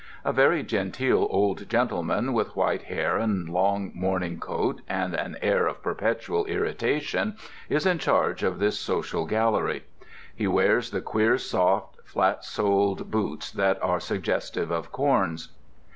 A very genteel old gentleman with white hair and a long morning coat and an air of perpetual irritation is in charge of this social gallery. He wears the queer, soft, flat soled boots that are suggestive of corns.